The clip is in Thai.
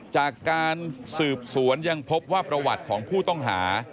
จากการสืบสวนยังพบว่าประวัติของผู้ต้องหา